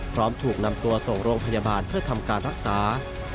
ถูกนำตัวส่งโรงพยาบาลเพื่อทำการรักษา